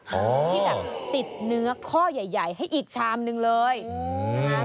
พี่น่ะติดเนื้อข้อใหญ่ให้อีกชามนึงเลยอืม